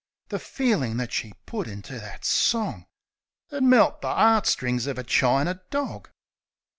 The feelin' that she put into that song 'Ud melt the 'eart strings of a chiner dog.